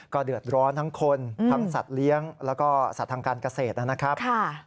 เดือดร้อนทั้งคนทั้งสัตว์เลี้ยงแล้วก็สัตว์ทางการเกษตรนะครับ